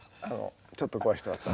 ちょっと怖い人だった。